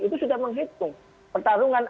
itu sudah menghitung pertarungan